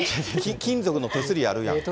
金属の手すりあるやんか。